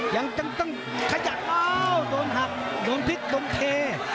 ยังต้องขยับอ้าวโดนหักโดนพลิกโดนเท